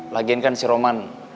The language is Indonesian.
lagian kan si roman